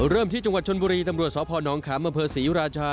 เริ่มที่จังหวัดชนบุรีตำรวจสพนขามอำเภอศรีราชา